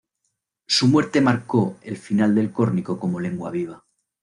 Su muerte marcó el final del córnico como lengua viva.